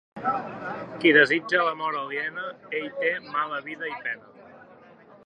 Qui desitja la mort aliena, ell té mala vida i pena.